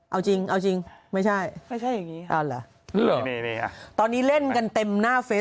อ๋อเอาจริงมันใช่ไม่ใช่เอาแล้วตอนนี้เล่นกันเต็มหน้า